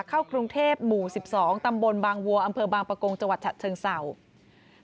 เข้ากรุงเทพหมู่๑๒ตำบลบางวัวอำเภอบางประกงจังหวัดฉะเชิงเศร้า